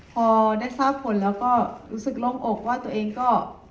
พอได้ทราบผลแล้วก็รู้สึกโล่งอกว่าตัวเองก็